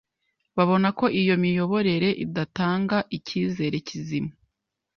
babona ko iyo miyoborere idatanga icyizere kizima,